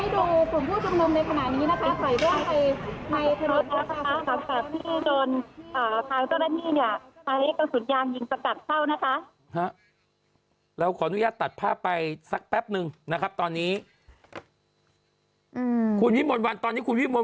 จะให้ดูจะให้ดูจะให้ดูจุ่มผู้ชมนุมในขณะนี้นะคะ